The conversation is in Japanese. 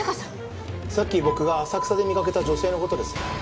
さっき僕が浅草で見かけた女性の事です。